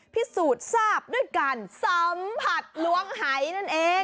พิสูจน์ทราบด้วยการสัมผัสล้วงหายนั่นเอง